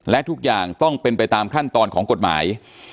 และทุกอย่างต้องเป็นไปตามขั้นตอนของกฎหมาย